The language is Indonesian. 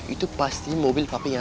itu pasti mobil papi yang